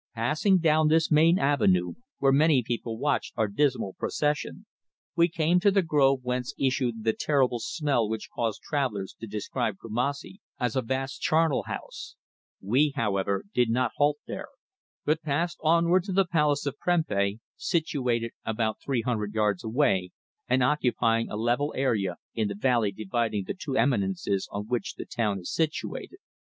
Passing down this main avenue, where many people watched our dismal procession, we came to the grove whence issued the terrible smell which caused travellers to describe Kumassi as a vast charnel house; we, however, did not halt there, but passed onward to the palace of Prempeh, situated about three hundred yards away and occupying a level area in the valley dividing the two eminences on which the town is situated.